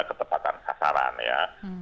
kita sebut terhadap apa mereka yang berdekatan